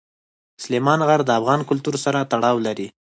سلیمان غر د افغان کلتور سره تړاو لري.